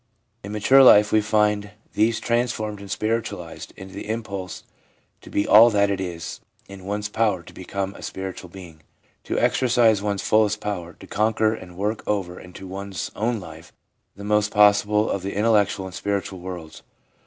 In mature life we find these transformed and spiritualised into the impulse to be all that it is in one's power to become as a spiritual being ; to exercise one's fullest power ; to conquer and work over into one's own life the most possible of the intellectual and spiritual worlds.